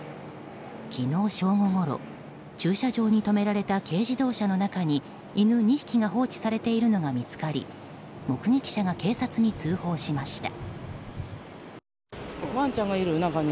昨日正午ごろ駐車場に止められた軽自動車の中に犬２匹が放置されているのが見つかり目撃者が警察に通報しました。